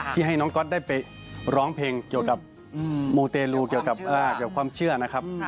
ที่ให้น้องก๊อตได้ไปร้องเพลงเกี่ยวกับมูเตรลูเกี่ยวกับความเชื่อนะครับ